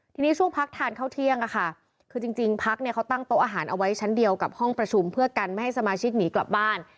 ทีนี้ช่วงพักทานเข้าเที่ยงคือจริงพักเนี่ยเขาตั้งโต๊ะอาหารเอาไว้ชั้นเดียวกับห้องประชุมเพื่อกันไม่ให้สมาชิกหนีกลับบ้าน